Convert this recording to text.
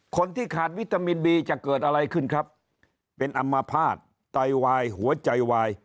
คนที่ขาดวิตามินบีจะเกิดอะไรขึ้นครับเป็นอัมพาตไตวายหัวใจวาย